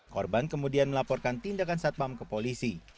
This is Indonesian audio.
korban kemudian melaporkan tindakan satpam ke polisi